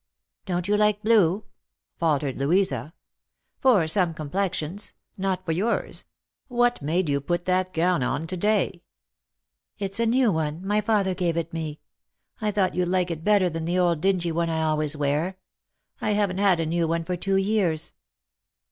" Don't you like blue ?" faltered Louisa. " For some complexions. Not for yours. What made you put that gown on to day ?"" It's a new one ; my father gave it me. I thought you'd like it better than that old dingy one I always wear. I haven't had a new one for two years."